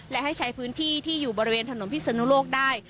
และให้ใช้พื้นที่ที่อยู่บริเวณถนนพิศนุโลกได้